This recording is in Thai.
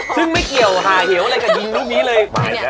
คือไม่เกี่ยวห่าเห๋วอะไรกับยิงรูบลิ่นเลย